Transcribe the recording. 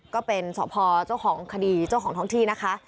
ก็เป็นสพเจ้าของคดีเจ้าของท้องที่นะคะ